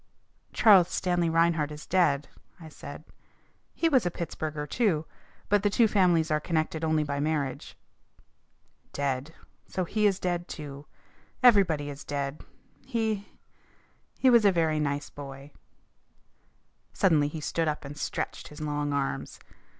"Charles Stanley Reinhart is dead," I said. "He was a Pittsburgher, too, but the two families are connected only by marriage." "Dead! So he is dead too! Everybody is dead. He he was a very nice boy." Suddenly he stood up and stretched his long arms.